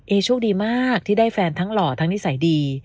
โชคดีมากที่ได้แฟนทั้งหล่อทั้งนิสัยดี